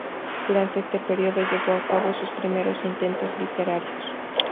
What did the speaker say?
Durante este periodo llevó a cabo sus primeros intentos literarios.